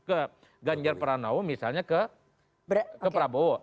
ke ganjar pranowo misalnya ke prabowo